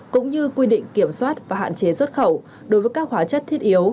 cũng như quy định kiểm soát và hạn chế xuất khẩu đối với các hóa chất thiết yếu